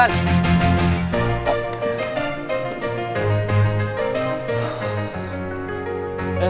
karena dia pria masin